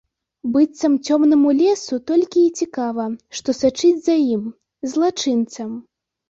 Быццам цёмнаму лесу толькі і цікава, што сачыць за ім, злачынцам.